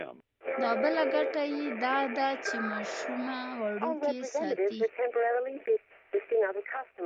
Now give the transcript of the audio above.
دا بله ګټه یې دا ده چې ماشومه وړوکې ساتي.